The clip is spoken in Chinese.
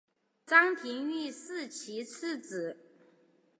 张廷玉是其次子。